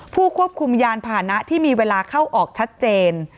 ผู้ควบคุมยานผ่านะที่มีเวลาเข้าออกชัดเจน